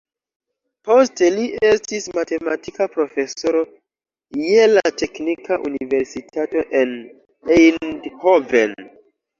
Poste li estis matematika profesoro je la teknika universitato en Eindhoven.